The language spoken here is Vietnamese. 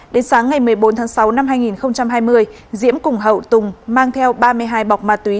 đến sáng ngày một mươi bốn tháng sáu năm hai nghìn hai mươi diễm cùng hậu tùng mang theo ba mươi hai bọc ma túy